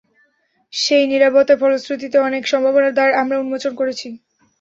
সেই নীরবতার ফলশ্রুতিতে অনেক সম্ভাবনার দ্বার আমরা উন্মোচন করেছি।